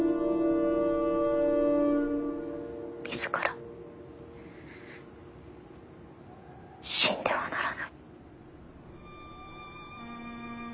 自ら死んではならない。